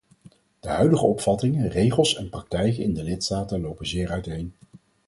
De huidige opvattingen, regels en praktijken in de lidstaten lopen zeer uiteen.